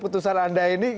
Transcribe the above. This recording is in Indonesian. putusan anda ini